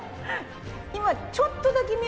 今ちょっとだけ見えた。